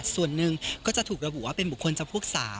ส่วนหนึ่งก็จะถูกระบุว่าเป็นบุคคลจำพวก๓